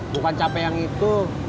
bukan capek yang itu